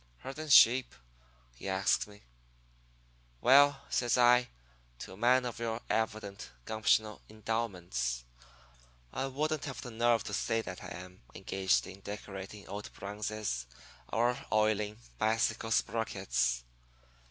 "'Herdin' sheep?' he asks me. "'Well,' says I, 'to a man of your evident gumptional endowments, I wouldn't have the nerve to state that I am engaged in decorating old bronzes or oiling bicycle sprockets.'